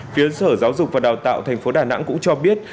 phía sở giáo dục và đào tạo thành phố đà nẵng cũng cho biết